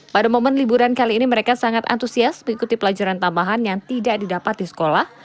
pada momen liburan kali ini mereka sangat antusias mengikuti pelajaran tambahan yang tidak didapat di sekolah